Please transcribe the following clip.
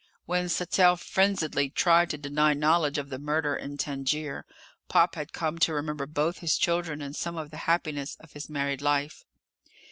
When Sattell frenziedly tried to deny knowledge of the murder in Tangier, Pop had come to remember both his children and some of the happiness of his married life.